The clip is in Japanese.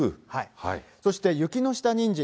そして雪の下にんじん。